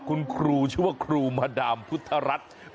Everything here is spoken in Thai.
คุณครูชื่อว่าครูมาดามพุทธรัฐ